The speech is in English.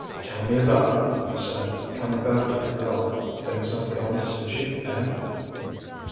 "Tell me about it," he said, coming back to the girl. "Things not going to suit you, eh?"